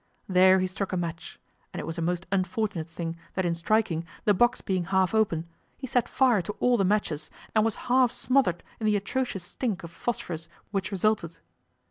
There he struck a match, and it was a most unfortunate thing that in striking, the box being half open, he set fire to all the matches, and was half smothered in the atrocious stink of phosphorus which resulted.